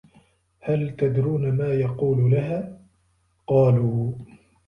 هَلْ تَدْرُونَ مَا يَقُولُ لَهَا ؟ قَالُوا